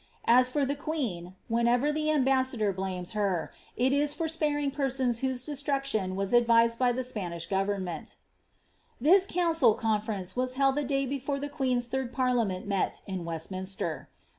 As for the queen, whenever the ambassador her, it is for sparing persons whose destruction was advised by jiish government. council conference was held the day before the queen's third ent met in Westminster.